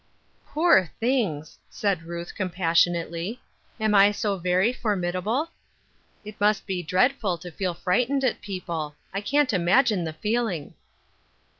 " Poor things !" said Ruth, compassionately. " Am I so very formidable ? It must be dread ful to feel frightened at people. I can't imagine the feeling."